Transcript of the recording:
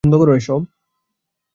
বন্ধ করো এসব।